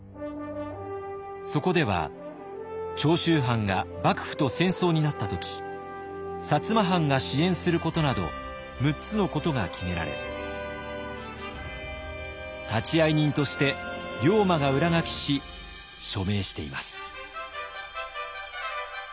そこでは長州藩が幕府と戦争になった時摩藩が支援することなど６つのことが決められ立ち会い人として龍馬が裏書きし署名しています。